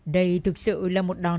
nên người nào là sao